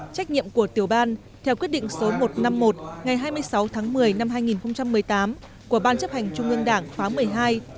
trách nhiệm của tiểu ban theo quyết định số một trăm năm mươi một ngày hai mươi sáu tháng một mươi năm hai nghìn một mươi tám của ban chấp hành trung ương đảng khóa một mươi hai